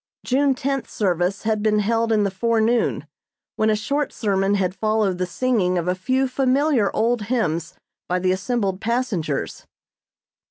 June tenth service had been held in the forenoon, when a short sermon had followed the singing of a few familiar old hymns by the assembled passengers.